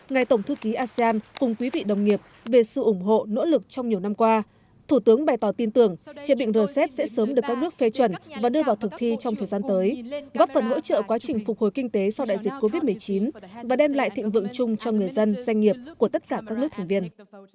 ngài tổng thư ký asean cùng quý vị đồng nghiệp về sự ủng hộ nỗ lực trong nhiều năm qua thủ tướng bày tỏ tin tưởng hiệp định rcep sẽ sớm được các nước phê chuẩn và đưa vào thực thi trong thời gian tới góp phần hỗ trợ quá trình phục hồi kinh tế sau đại dịch covid một mươi chín và đem lại thịnh vượng chung cho người dân doanh nghiệp của tất cả các nước thành viên